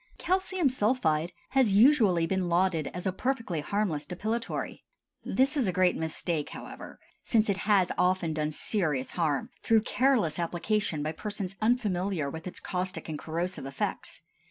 CALCIUM SULPHIDE has usually been lauded as a perfectly harmless depilatory. This is a great mistake, however, since it has often done serious harm, through careless application by persons unfamiliar with its caustic and corrosive effects.